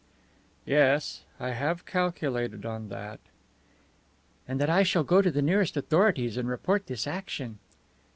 "Yes, I have calculated on that." "And that I shall go to the nearest authorities and report this action?"